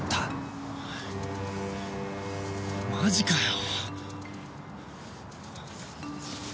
マジかよ！？